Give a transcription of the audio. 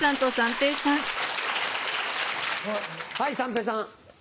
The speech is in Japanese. はい三平さん。